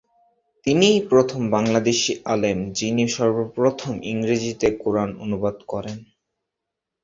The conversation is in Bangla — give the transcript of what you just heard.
তিনিই প্রথম বাংলাদেশী আলেম, যিনি সর্বপ্রথম ইংরেজিতে কুরআন অনুবাদ করেন।